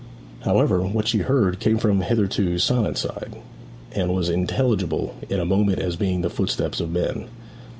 However, what she heard came from the hitherto silent side, and was intelligible in a moment as being the footsteps of men.